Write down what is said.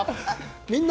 「みんな！